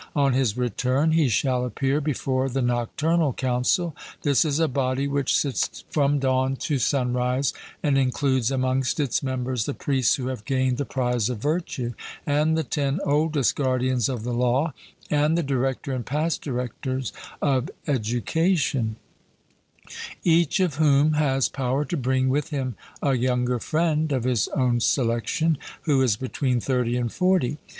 On his return he shall appear before the Nocturnal Council: this is a body which sits from dawn to sunrise, and includes amongst its members the priests who have gained the prize of virtue, and the ten oldest guardians of the law, and the director and past directors of education; each of whom has power to bring with him a younger friend of his own selection, who is between thirty and forty.